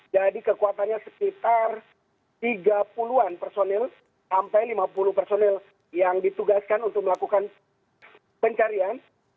jadi kekuatannya sekitar tiga puluh an personel sampai lima puluh personel yang ditugaskan untuk melakukan pencarian